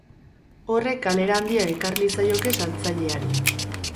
Horrek galera handia ekar liezaioke saltzaileari.